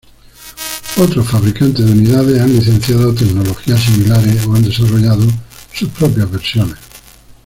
Otros fabricantes de unidades han licenciado tecnologías similares o han desarrollado sus propias versiones.